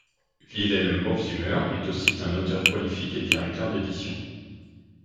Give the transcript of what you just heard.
Wilhelm Hoffsümmer est aussi un auteur prolifique et directeur d'édition.